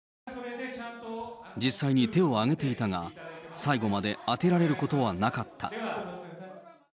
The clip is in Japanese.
実際に手を挙げていたが、最後まで当てられることはなかった。